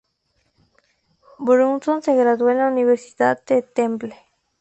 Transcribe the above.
Brunson se graduó de la Universidad de Temple.